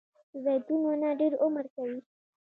د زیتون ونه ډیر عمر کوي